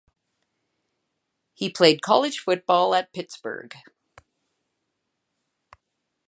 He played college football at Pittsburgh.